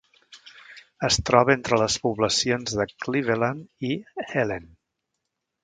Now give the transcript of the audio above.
Es troba entre les poblacions de Cleveland i Helen.